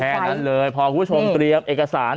แค่นั้นเลยพอคุณผู้ชมเตรียมเอกสาร